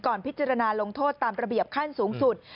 พิจารณาลงโทษตามระเบียบขั้นสูงสุด